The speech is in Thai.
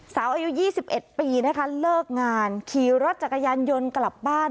สาวอายุยี่สิบเอ็ดปีนะคะเลิกงานขี่รถจักรยานยนต์กลับบ้าน